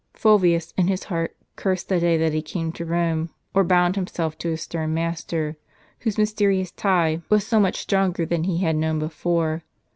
Fulvius, in his heart, cursed the day that he came to Rome, or bound himself to his stern master, whose mysterious tie was so much stronger than he had known before.